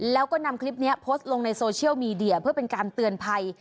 แล้วก็นำคลิปนี้โพสต์ลงในโซเชียลมีเดียเพื่อเป็นการเตือนภัย